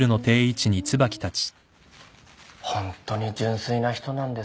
ホントに純粋な人なんですよ。